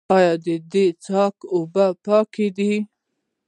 آیا د څښاک اوبه پاکې دي؟